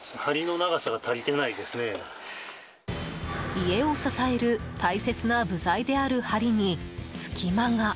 家を支える大切な部材である梁に隙間が。